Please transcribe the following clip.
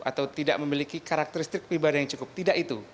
atau tidak memiliki karakteristik pribadi yang cukup tidak itu